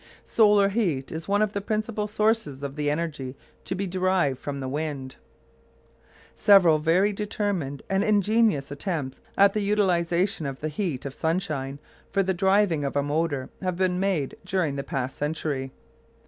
Solar heat is one of the principal sources of the energy to be derived from the wind. Several very determined and ingenious attempts at the utilisation of the heat of sunshine for the driving of a motor have been made during the past century.